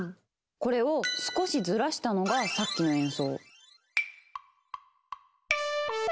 これを少しずらしたのがさっきの演奏。